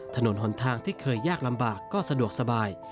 ถนนหนทางที่เคยยากลำบากก็สะดวกสบาย